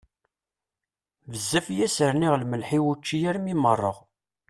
Bezzaf i as-rniɣ lemleḥ i wučči armi meṛṛeɣ!